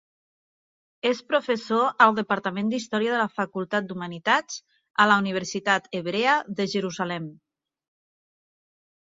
És professor al Departament d'Història de la Facultat d'Humanitats a la Universitat Hebrea de Jerusalem.